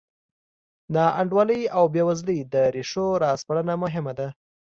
ناانډولۍ او بېوزلۍ د ریښو راسپړنه مهمه ده.